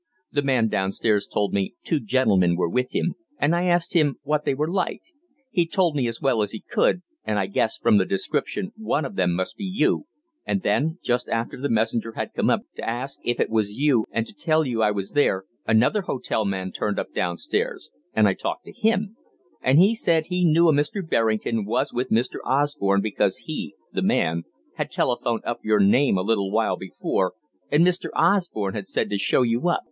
The man downstairs told me 'two gentlemen were with him,' and I asked him what they were like. He told me as well as he could, and I guessed from the description one of them must be you, and then just after the messenger had come up to ask if it was you and to tell you I was there, another hotel man turned up downstairs, and I talked to him, and he said he knew a Mr. Berrington was with Mr. Osborne because he, the man, had telephoned up your name a little while before, and Mr. Osborne had said to show you up.